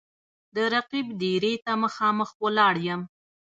د رقیب دېرې ته مـــخامخ ولاړ یـــم